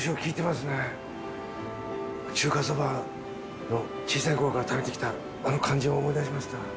中華そばの小さいころから食べてきたあの感じを思い出しました。